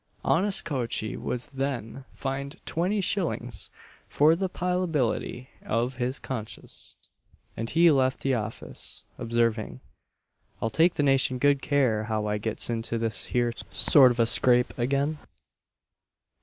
Honest Coachee was then fined twenty shillings for the pliability of his conscience, and he left the office, observing, "I'll take 'nation good care how I gets into this here sort of a scrape again!"